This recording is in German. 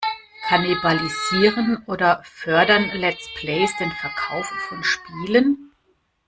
Kannibalisieren oder fördern Let's Plays den Verkauf von Spielen?